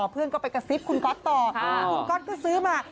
เพื่อนก็ไปกระซิบคุณก๊อตต่อคุณก๊อตก็ซื้อมา